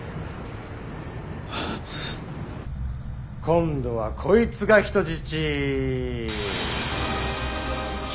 今度はこいつが人質。